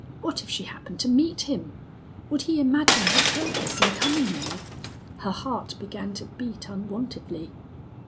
What if she happened to meet him! Would he imagine her purpose in coming there? Her heart began to beat unwontedly.